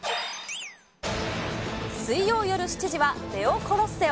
水曜夜７時は、ネオコロッセオ。